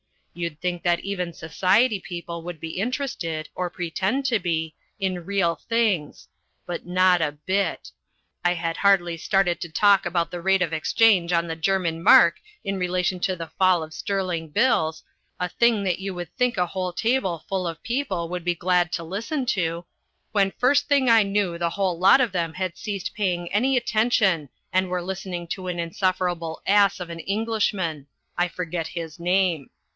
You'd think that even society people would be interested, or pretend to be, in real things. But not a bit. I had hardly started to talk about the rate of exchange on the German mark in relation to the fall of sterling bills a thing that you would think a whole table full of people would be glad to listen to when first thing I knew the whole lot of them had ceased paying any attention and were listening to an insufferable ass of an Englishman I forget his name.